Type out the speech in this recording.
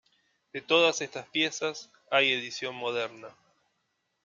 De todas estas piezas hay edición moderna.